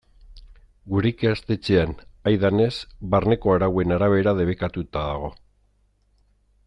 Gure ikastetxean, agidanez, barneko arauen arabera debekatuta dago.